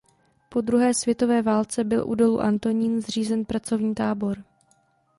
Po druhé světové válce byl u dolu Antonín zřízen pracovní tábor.